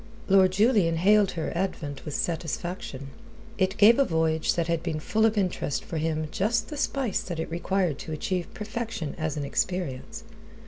Lord Julian hailed her advent with satisfaction. It gave a voyage that had been full of interest for him just the spice that it required to achieve perfection as an experience.